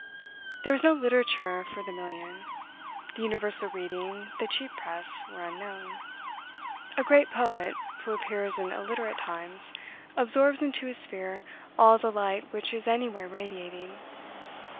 There was no literature for the million. The universal reading, the cheap press, were unknown. A great poet, who appears in illiterate times, absorbs into his sphere all the light which is anywhere radiating.